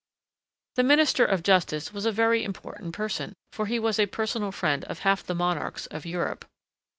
The Minister of Justice was a very important person, for he was a personal friend of half the monarchs of Europe.